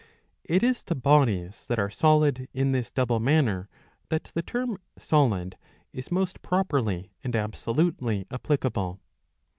It is to bodies that are solid in this double manner that the term " solid " is most properly and absolutely applicable.